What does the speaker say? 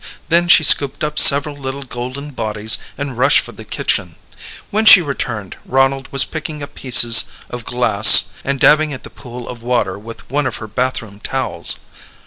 Then she scooped up several little golden bodies and rushed for the kitchen. When she returned Ronald was picking up pieces of glass and dabbing at the pool of water with one of her bathroom towels.